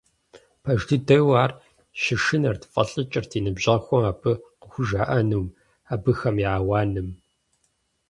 Пэж дыдэуи, ар щышынэрт, фӀэлӀыкӀырт и ныбжьэгъухэм, абы къыхужаӀэнум, абыхэм я ауаным.